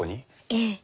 ええ。